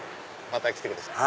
また来てください。